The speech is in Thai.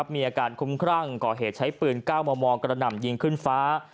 มีอาการคุ้มครั่งก่อเหตุใช้ปืน๙มมกระหน่ำยิงขึ้นฟ้า